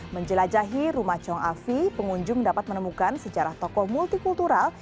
menjelajahi rumah chong afi pengunjung dapat menemukan sejarah toko multikultural